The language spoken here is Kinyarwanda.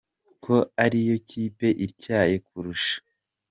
ko ariyo kipe ityaye kurusha